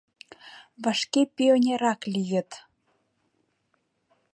Вашке пионерак лийыт.